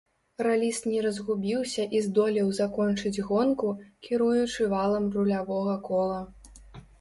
Раліст не разгубіўся і здолеў закончыць гонку, кіруючы валам рулявога кола.